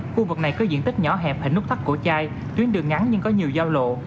khu vực này có diện tích nhỏ hẹp hình nút thắt cổ chai tuyến đường ngắn nhưng có nhiều giao lộ